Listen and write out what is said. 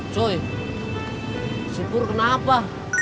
coy si pur kenapa